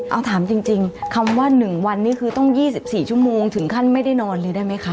เอาถามจริงคำว่า๑วันนี้คือต้อง๒๔ชั่วโมงถึงขั้นไม่ได้นอนเลยได้ไหมคะ